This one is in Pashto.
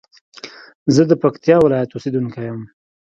زه د پکتيا ولايت اوسېدونکى يم.